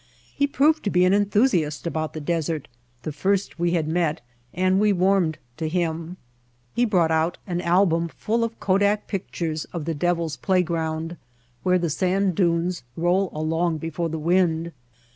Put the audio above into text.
He proved to be an enthusiast about the desert, the first we had met, and we warmed to him. He brought out an album full of kodak pictures of the Devil's Playground where the sand dunes roll along before the wind.